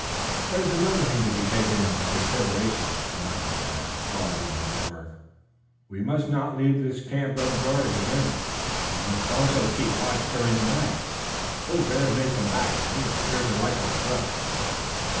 "There is another thing to be taken into consideration," reminded Tad, pausing in his work. "We must not leave the camp unguarded again. We must also keep watch during the night. Those bears may come back. They appear to like our grub."